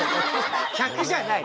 客じゃない。